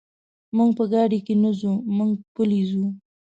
موږ په ګاډي کې نه ځو، موږ پلي ځو.